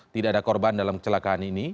tidak ada korban dalam kecelakaan ini